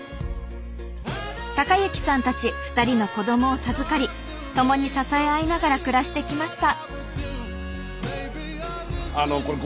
隆之さんたち２人の子どもを授かり共に支え合いながら暮らしてきました。